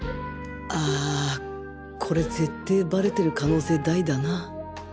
あこれゼッテーバレてる可能性大だな。